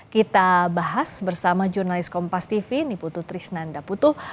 kita bahas bersama jurnalis kompas tv niputu trisnanda putu